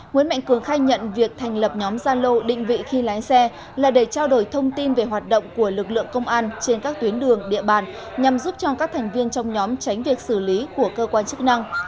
nguyễn mạnh cường khai nhận việc thành lập nhóm gia lô định vị khi lái xe là để trao đổi thông tin về hoạt động của lực lượng công an trên các tuyến đường địa bàn nhằm giúp cho các thành viên trong nhóm tránh việc xử lý của cơ quan chức năng